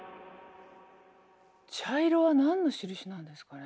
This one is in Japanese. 茶色は何の印なんですかね。